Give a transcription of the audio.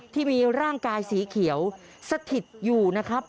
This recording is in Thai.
ที่มีร่างกายสีเขียวสถิตอยู่นะครับ